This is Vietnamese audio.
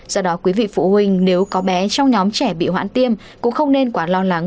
do đó quý vị phụ huynh nếu có bé trong nhóm trẻ bị hoãn tiêm cũng không nên quá lo lắng